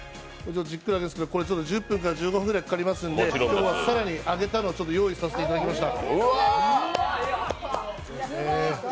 これ１０分から１５分ぐらいかかりますので今日は更に揚げたのをご用意させていただきました。